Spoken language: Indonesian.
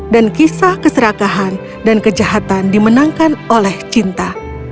dan kisah keserakahan dan kejahatan dimenangkan oleh cinta